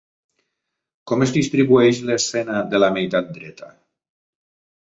Com es distribueix l'escena de la meitat dreta?